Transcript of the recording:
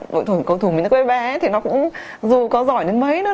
đội tuyển công thủ mình nó bé bé thì nó cũng dù có giỏi đến mấy nữa